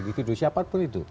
dividu siapa pun itu